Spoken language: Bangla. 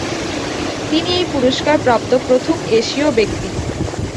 তিনি এই পুরস্কার প্রাপ্ত প্রথম এশীয় ব্যক্তি।